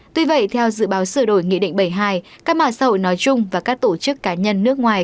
tuy vậy theo dự báo sửa đổi nghị định bảy mươi hai các mạng xã hội nói chung và các tổ chức cá nhân nước ngoài